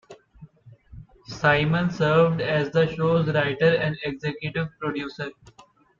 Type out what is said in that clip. Simon served as the show's writer and executive producer.